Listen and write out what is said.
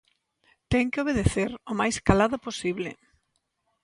Ten que obedecer, o máis calada posible.